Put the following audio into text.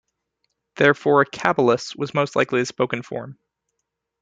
Therefore "caballus" was most likely the spoken form.